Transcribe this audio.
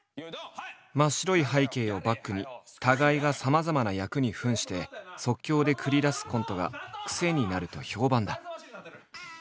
真っ白い背景をバックに互いがさまざまな役に扮して即興で繰り出すコントがクセになると評判だ。